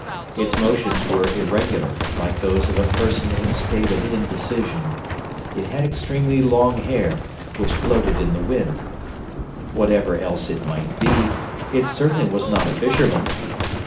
Its motions were irregular, like those of a person in a state of indecision. It had extremely long hair, which floated in the wind. Whatever else it might be, it certainly was not a fisherman.